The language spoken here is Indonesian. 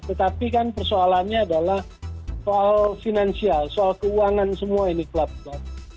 tetapi kan persoalannya adalah soal finansial soal keuangan semua ini klub klub